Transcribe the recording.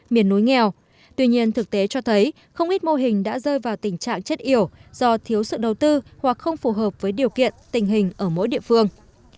miền núi nghèo tuy nhiên thực tế cho thấy không ít mô hình đã rơi vào tình trạng chất yểu do thiếu sự đầu tư hoặc không phù hợp với điều kiện tình hình ở mỗi địa phương